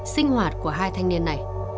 sinh hoạt của hai thanh niên này